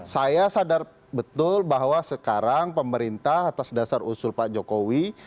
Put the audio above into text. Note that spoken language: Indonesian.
saya sadar betul bahwa sekarang pemerintah atas dasar usul pak jokowi